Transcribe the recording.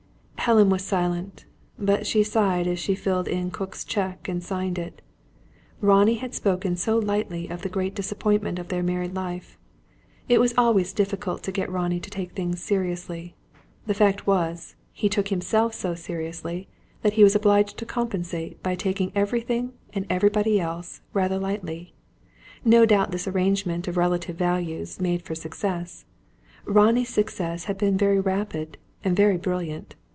Helen was silent; but she sighed as she filled in Cook's cheque and signed it. Ronald had spoken so lightly of the great disappointment of their married life. It was always difficult to get Ronnie to take things seriously. The fact was: he took himself so seriously, that he was obliged to compensate by taking everything and everybody else rather lightly. No doubt this arrangement of relative values, made for success. Ronnie's success had been very rapid, and very brilliant.